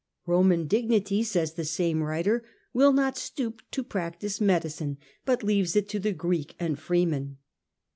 Roman dignity, says the same writer, will not stoop to practise medicine, but leaves it to the Greek and freedman.